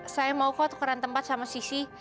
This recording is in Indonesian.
saya mau kok tukeran tempat sama sissy